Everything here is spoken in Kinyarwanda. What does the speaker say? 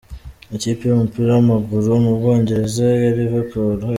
Ikipe y’umupira w’amaguru mu bwongereza ya Liverpool F.